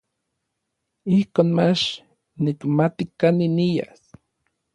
Ijkon mach nikmati kanik nias.